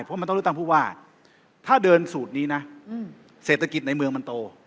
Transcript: เพราะมันต้องเลือกตั้งผู้ว่าถ้าเดินสูตรนี้นะเศรษฐกิจในเมืองมันโต